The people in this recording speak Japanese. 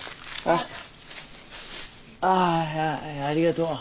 ああありがとう。